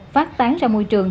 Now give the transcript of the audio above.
phát tán ra môi trường